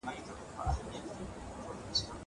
زه به سبا کتابونه لوستل کوم.